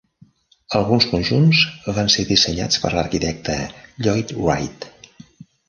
Alguns conjunts van ser dissenyats per l'arquitecte Lloyd Wright.